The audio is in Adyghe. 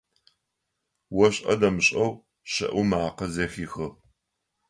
ОшӀэ-дэмышӀэу щэӀу макъэ зэхихыгъ.